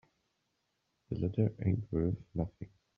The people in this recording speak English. The letter ain't worth nothing.